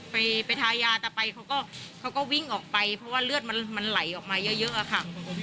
ไปทายาแต่ไปเขาก็วิ่งออกไปเพราะว่าเลือดมันไหลออกมาเยอะอะค่ะ